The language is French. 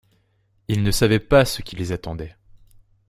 Ils ne savaient pas ce qui les attendait.